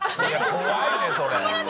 怖いねそれ。